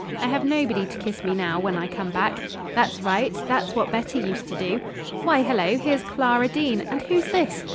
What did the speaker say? I have nobody to kiss me now, when I come back. That's right. That's what Betty used to do. Why, hello! here's Clara Dean, and who's this?